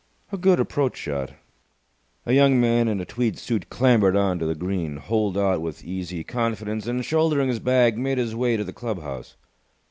A good approach shot. A young man in a tweed suit clambered on to the green, holed out with easy confidence, and, shouldering his bag, made his way to the club house.